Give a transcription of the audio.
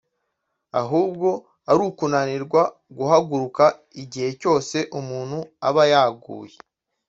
ahubwo ari ukunanirwa guhaguruka igihe cyose umuntu aba yaguye